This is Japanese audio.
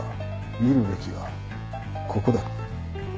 見るべきはここだ。